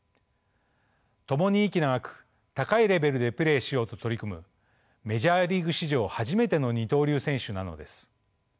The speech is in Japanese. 共に息長く高いレベルでプレーしようと取り組むメジャーリーグ史上初めての二刀流選手なのです。